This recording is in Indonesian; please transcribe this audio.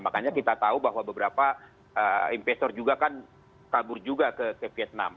makanya kita tahu bahwa beberapa investor juga kan kabur juga ke vietnam